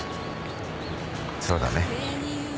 そうだね。